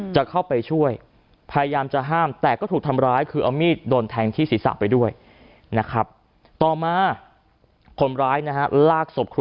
จะเข้าไปช่วยพยายามจะห้ามแต่ก็ถูกทำร้ายคือเอามีดโดนแทงที่ศีรษะไปด้วยนะครับ